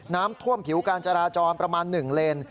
น้ำท่วมผิวการจราจรประมาณ๑เลน